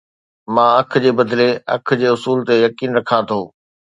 مان اک جي بدلي اک جي اصول تي يقين رکان ٿو